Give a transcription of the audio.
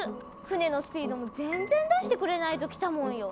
船のスピードも全然出してくれないときたもんよ。